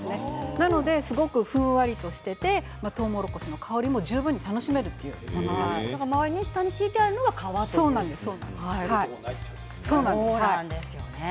なので、すごくふんわりとしていてとうもろこしの香りも十分に周り、下に敷いてあるのが皮なんですね。